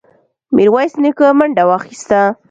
ميرويس نيکه منډه واخيسته.